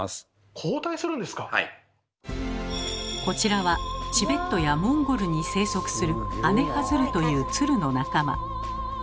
こちらはチベットやモンゴルに生息するアネハヅルというツルの仲間。